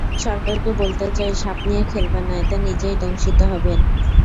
সরকারকে বলতে চাই, সাপ নিয়ে খেলবেন না, এতে নিজেই দংশিত হবেন।